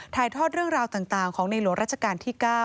ถ่ายทอดเรื่องราวต่างของในหลวงราชการที่๙